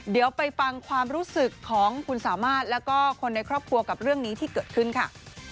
เดี๋ยวไปฟังความรู้สึกของคุณสามารถแล้วก็คนในครอบครัวกับเรื่องนี้ที่เกิดขึ้นค่ะ